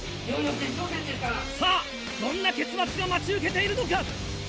さぁどんな結末が待ち受けているのか？